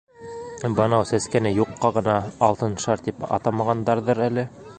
Бынау сәскәне юҡҡа ғына «алтын шар» тип атамағандарҙыр әле».